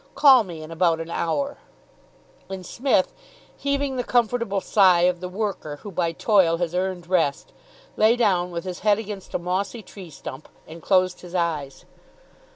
Call me in about an hour." And Psmith, heaving the comfortable sigh of the worker who by toil has earned rest, lay down, with his head against a mossy tree stump, and closed his eyes.